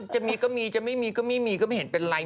จะมีก็มีจะไม่มีก็ไม่มีก็ไม่เห็นเป็นไร